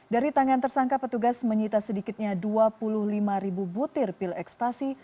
dari tangan tersangka petugas menyita sedikitnya dua puluh lima ribu butir pil ekstasi